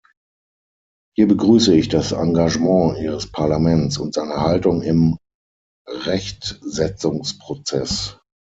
Hier begrüße ich das Engagement Ihres Parlaments und seine Haltung im Rechtsetzungsprozess.